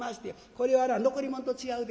『これはな残り物と違うで。